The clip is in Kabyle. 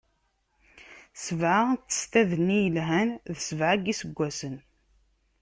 Sebɛa n testad-nni yelhan, d sebɛa n iseggasen;